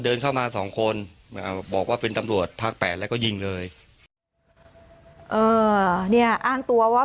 เดินเข้ามาสองคนอ่าบอกว่าเป็นตำรวจภาคแปดแล้วก็ยิงเลยเอ่อเนี่ยอ้างตัวว่า